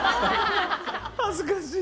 恥ずかしい。